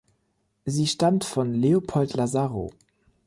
Sie stammt von Leopold Lazaro.